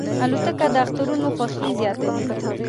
الوتکه د اخترونو خوښي زیاتوي.